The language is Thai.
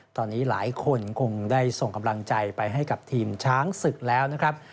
ตอนนี้หลายคนคงได้ส่งกำลังใจไปให้กับทีมช้างศึกแล้วนะครับ